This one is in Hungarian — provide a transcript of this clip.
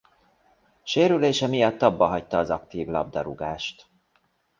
Sérülése miatt abbahagyta az aktív labdarúgást.